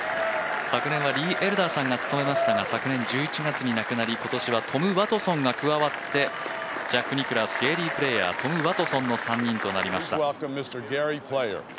昨年はリー・エルダーさんが務めましたが昨年１１月に亡くなり、今年はトム・ワトソンが加わって、ジャック・ニクラウスゲーリー・プレーヤートム・ワトソンの３人になりました。